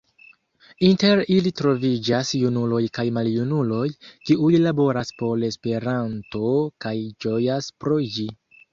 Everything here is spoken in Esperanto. Inter ili troviĝas junuloj kaj maljunuloj, kiuj laboras por Esperanto kaj ĝojas pro ĝi.